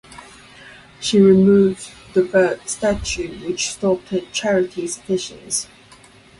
She removed the bird statue which stopped Charity's visions.